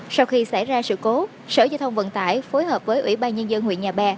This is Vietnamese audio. sau khi xảy ra sự cố sở giao thông vận tải phối hợp với ủy ban nhân dân huyện nhà bè